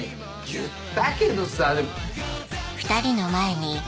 言ったけどさでも。